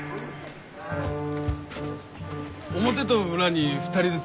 表と裏に２人ずつ。